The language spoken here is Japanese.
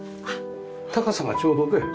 高さがちょうどね。